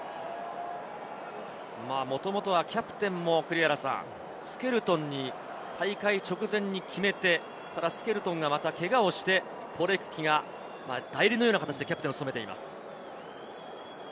もともとはキャプテンもスケルトンに大会直前に決めてスケルトンがまたけがをして、ポレクキが代理のような形でキャプテンを務めています。